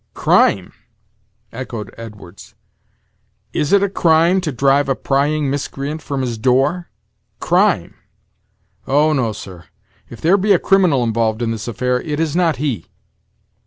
"Crime!" echoed Edwards: "is it a crime to drive a prying miscreant from his door? Crime! Oh, no, sir; if there be a criminal involved in this affair, it is not he."